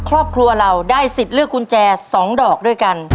ครอบครัวเราได้สิทธิ์เลือกกุญแจ๒ดอกด้วยกัน